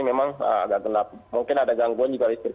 memang agak gelap mungkin ada gangguan juga listrik